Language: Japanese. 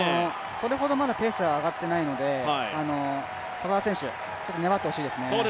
それほどまだペースが上がっていないので、田澤選手、ちょっと粘ってほしいですね。